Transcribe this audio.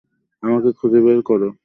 আমাকে খুঁজে বের করো।